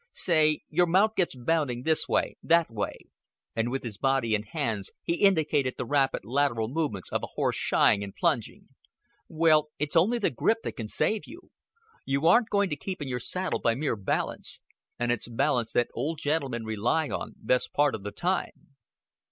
Say, your mount gets bounding this way, that way;" and with his body and hands he indicated the rapid lateral movements of a horse shying and plunging. "Well, it's only the grip that can save you. You aren't going to keep in your saddle by mere balance and it's balance that old gentlemen rely on best part of the time."